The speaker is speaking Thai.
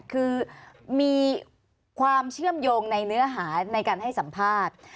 คือมีความเชื่อมโยงในเนื้อหาในการให้สัมภาษณ์